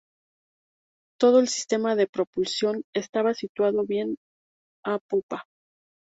Todo el sistema de propulsión estaba situado bien a popa.